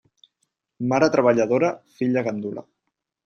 Mare treballadora, filla gandula.